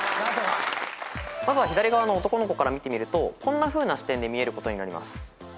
まずは左側の男の子から見てみるとこんなふうな視点で見えることになります。